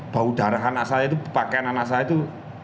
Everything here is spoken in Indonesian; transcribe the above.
bau darah anak saya itu pakaian anak saya itu